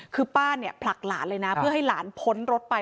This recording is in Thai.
คือป้าเนี่ยผลักหลานเลยนะเพื่อให้หลานพ้นรถไป